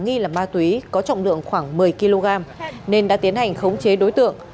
nghi là ma túy có trọng lượng khoảng một mươi kg nên đã tiến hành khống chế đối tượng